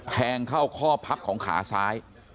แทงเข้าข้อพับของขาซ้าย